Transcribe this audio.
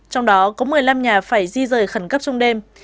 trong đó có một mươi năm nhà phải di rời khẩn cấp trong đêm